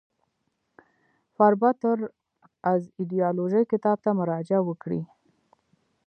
فربه تر از ایدیالوژی کتاب ته مراجعه وکړئ.